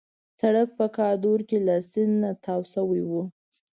سړک په کادور کې له سیند نه تاو شوی وو.